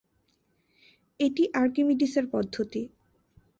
এটি আর্কিমিডিসের পদ্ধতি।